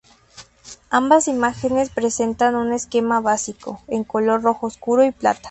Ambas imágenes presentan un esquema básico, en color rojo oscuro y plata.